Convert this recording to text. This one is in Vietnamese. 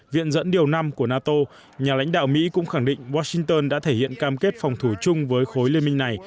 viện dẫn điều năm của nato nhà lãnh đạo mỹ cũng khẳng định washington đã thể hiện cam kết phòng thủ chung với khối liên minh này